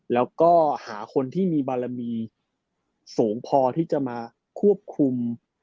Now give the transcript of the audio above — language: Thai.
แล้วก็หาคนที่มีบารมีสูงพอที่จะมาควบคุม